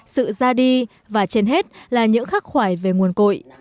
sự ra đi và trên hết là những khắc khoải về nguồn cội